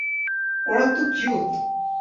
ওরা এত্ত কিউট।